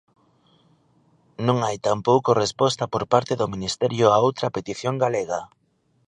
Non hai tampouco resposta por parte do Ministerio a outra petición galega.